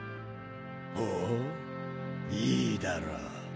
ほういいだろう